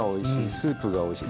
スープがおいしい？